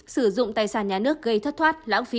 sử dụng tài sản nhà nước gây thất thoát lãng phí